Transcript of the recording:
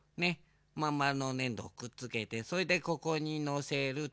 まんまるのねんどをくっつけてそれでここにのせると。